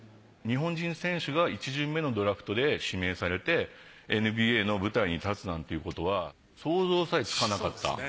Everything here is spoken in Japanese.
日本人選手が１巡目のドラフトで指名されてＮＢＡの舞台に立つなんていうことは想像さえつかなかった。